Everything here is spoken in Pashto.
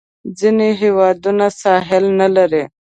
ځینې هیوادونه ساحل نه لري.